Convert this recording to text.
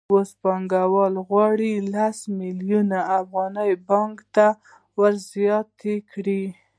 اوس پانګوال غواړي لس میلیونه افغانۍ پانګې ته ورزیاتې کړي